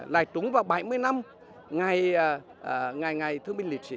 là trúng vào bảy mươi năm ngày ngày thứ bảy